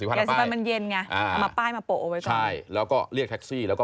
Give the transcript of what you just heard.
เวลารอจกับยาสีฟัน